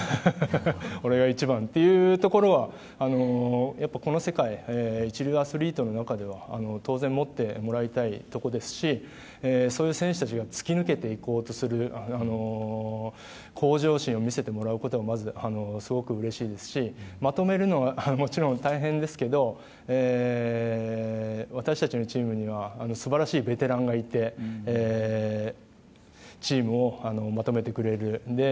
俺が一番というところはこの世界一流アスリートの中では当然持ってもらいたいところですしそういう選手たちが突き抜けていこうとする向上心を見せてもらうことがすごくうれしいですしまとめるのはもちろん大変ですけど私たちのチームには素晴らしいベテランがいてチームをまとめてくれる。